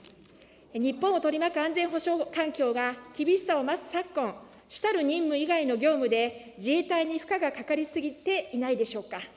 日本を取り巻く安全保障環境が厳しさを増す昨今、主たる任務以外の業務で、自衛隊に負荷がかかり過ぎていないでしょうか。